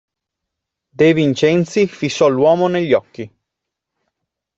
De Vincenzi fissò l'uomo negli occhi.